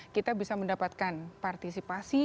kita bisa mendapatkan partisipasi